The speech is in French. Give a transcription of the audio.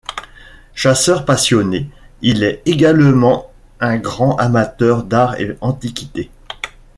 Chasseur passionné, il est également un grand amateur d'art et antiquités.